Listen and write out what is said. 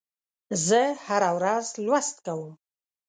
زه هره ورځ لوست کوم.